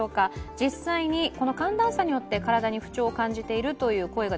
実際にこの寒暖差によって体に不調を感じているという声が